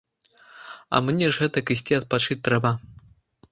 А мне ж гэтак ісці адпачыць трэба.